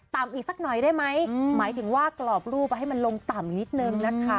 อีกสักหน่อยได้ไหมหมายถึงว่ากรอบรูปให้มันลงต่ำนิดนึงนะคะ